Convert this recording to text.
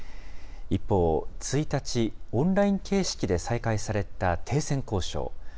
一方、１日、オンライン形式で再開された停戦交渉。